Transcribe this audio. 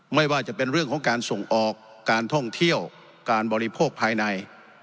ไม่ว่าจะเป็นเรื่องของการส่งออกการท่องเที่ยวการบริโภคภายใน